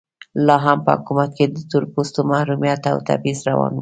لا هم په حکومت کې د تور پوستو محرومیت او تبعیض روان و.